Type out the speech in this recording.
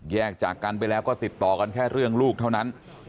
จากกันไปแล้วก็ติดต่อกันแค่เรื่องลูกเท่านั้น